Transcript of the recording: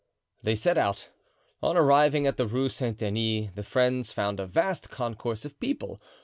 They set out. On arriving at the Rue Saint Denis, the friends found a vast concourse of people.